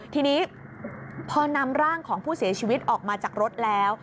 ทีนี้พอนำร่างของผู้เสียชีวิตออกมาจากรถแล้ว